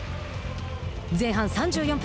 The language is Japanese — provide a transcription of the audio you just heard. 前半３４分。